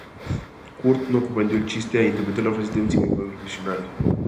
Kurt no comprendió el chiste e interpretó la frase con un significado revolucionario.